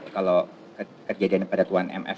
kalau kejadian pada tuan mf